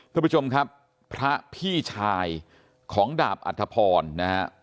ท่านผู้ชมครับพระพี่ชายของดาบอธพรนะครับ